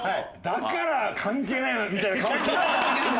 だから関係ないなみたいな顔して。